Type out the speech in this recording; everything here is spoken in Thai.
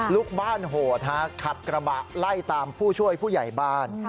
ลูกบ้านโหดฮะขับกระบะไล่ตามผู้ช่วยผู้ใหญ่บ้าน